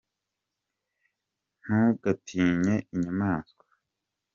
ntugatinye inyamanswa.